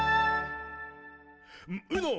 「ウノ！